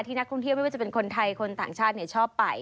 นักท่องเที่ยวไม่ว่าจะเป็นคนไทยคนต่างชาติชอบไป